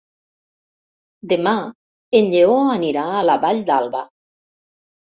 Demà en Lleó anirà a la Vall d'Alba.